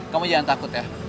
kamu jangan takut ya